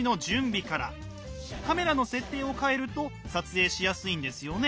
カメラの設定を替えると撮影しやすいんですよね？